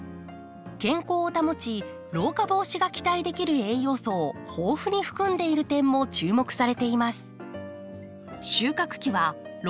健康を保ち老化防止が期待できる栄養素を豊富に含んでいる点も注目されています。